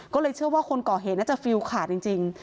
ก็เลยเชื่อว่าคนก่อเหตุน่าจะฟิลขาดจริง